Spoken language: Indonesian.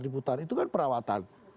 diputar itu kan perawatan